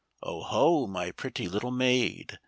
''" 0 ho ! my pretty little maid.